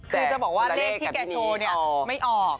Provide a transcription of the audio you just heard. คือจะบอกว่าเลขที่แกโชว์เนี่ยไม่ออก